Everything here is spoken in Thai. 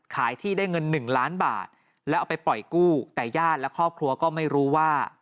ขายที่ได้เงินหนึ่งล้านบาทแล้วเอาไปปล่อยกู้แต่ญาติและครอบครัวก็ไม่รู้ว่า